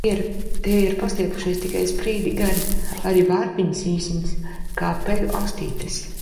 Tie ir pastiepušies tikai sprīdi gari, arī vārpiņas īsiņas, kā peļu astītes.